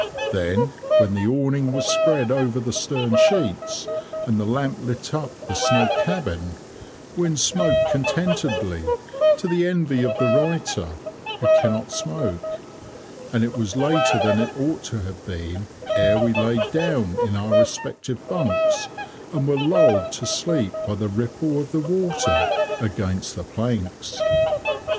Then when the awning was spread over the stern sheets, and the lamp lit up the snug cabin, Wynne smoked contentedly, to the envy of the writer, who cannot smoke; and it was later than it ought to have been ere we lay down in our respective bunks, and were lulled to sleep by the ripple of the water against the planks.